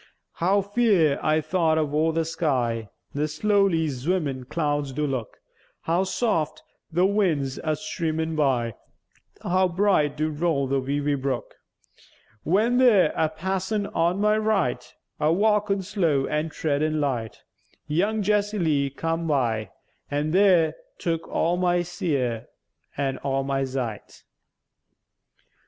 How feäir, I thought, avore the sky The slowly zwimmèn clouds do look; How soft the win's a streamèn by; How bright do roll the weävy brook: When there, a passèn on my right, A walkèn slow, an' treadèn light, Young Jessie Lee come by, an' there Took all my ceäre, an' all my zight.